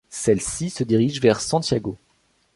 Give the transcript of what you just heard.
Celle-ci se dirige vers Santiago.